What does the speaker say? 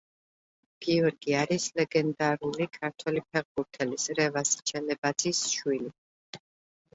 გიორგი არის ლეგენდარული ქართველი ფეხბურთელის, რევაზ ჩელებაძის შვილი.